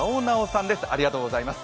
ありがとうございます。